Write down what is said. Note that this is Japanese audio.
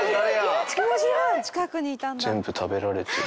全部食べられてる。